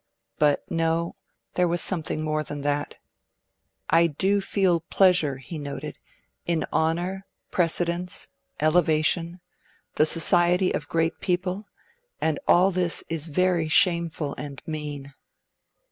But no, there was something more than that. 'I do feel pleasure,' he noted, 'in honour, precedence, elevation, the society of great people, and all this is very shameful and mean.'